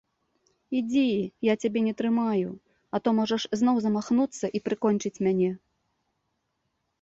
Ідзі, я цябе не трымаю, а то можаш зноў замахнуцца і прыкончыць мяне.